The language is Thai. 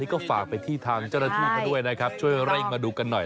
ก็ฝากไปที่ทางเจ้าหน้าที่ช่วยเร่งมาดูกันหน่อย